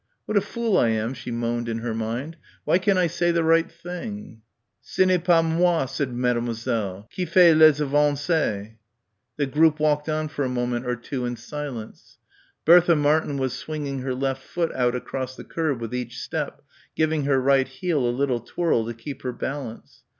"What a fool I am," she moaned in her mind. "Why can't I say the right thing?" "Ce n'est pas moi," said Mademoiselle, "qui fait les avances." The group walked on for a moment or two in silence. Bertha Martin was swinging her left foot out across the curb with each step, giving her right heel a little twirl to keep her balance.